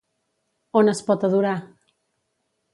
On es pot adorar?